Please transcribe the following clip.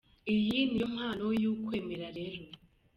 Iyi ni yo mpano y’ukwemera rero.